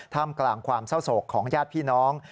กลางความเศร้าโศกของญาติพี่น้อง